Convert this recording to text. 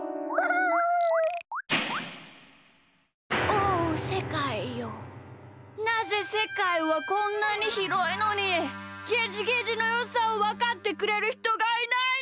おおせかいよなぜせかいはこんなにひろいのにゲジゲジのよさをわかってくれるひとがいないのだ！